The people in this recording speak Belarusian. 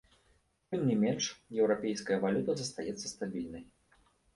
Тым не менш, еўрапейская валюта застаецца стабільнай.